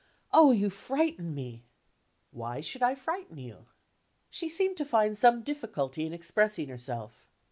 "Oh, you frighten me!" "Why should I frighten you?" She seemed to find some difficulty in expressing herself.